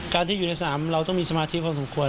ที่อยู่ในสนามเราต้องมีสมาธิพอสมควร